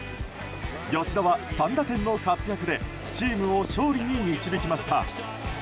吉田は３打点の活躍でチームを勝利に導きました。